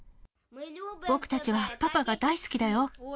僕たちはパパが大好きだよ。